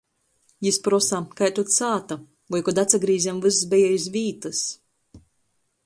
Jis prosa – kai tod sāta, voi, kod atsagrīzem, vyss beja iz vītys.